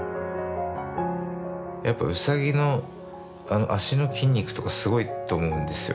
やっぱうさぎの脚の筋肉とかすごいと思うんですよ。